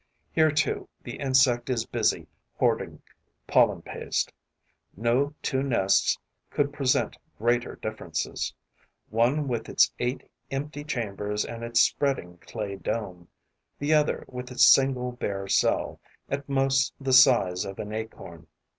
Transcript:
Here too the insect is busy hoarding pollen paste. No two nests could present greater differences: one with its eight empty chambers and its spreading clay dome; the other with its single bare cell, at most the size of an acorn.